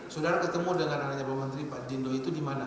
sudah ketemu dengan anaknya pembunuh menteri pak bindo itu di mana